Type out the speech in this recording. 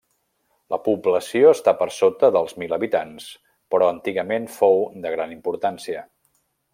La població està per sota dels mil habitants però antigament fou de gran importància.